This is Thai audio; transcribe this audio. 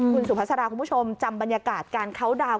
คุณสุภาษาคุณผู้ชมจำบรรยากาศการเคาน์ดาวน